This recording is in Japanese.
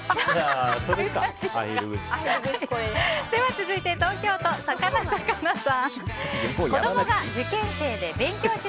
続いて、東京都の方。